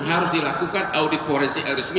harus dilakukan audit forensik resmi